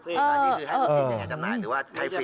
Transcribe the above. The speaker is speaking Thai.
อันนี้คือไฟฟรีหรือว่าไฟฟรี